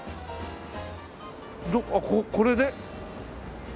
あっこれで？